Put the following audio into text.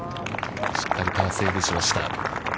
しっかりパーセーブしました。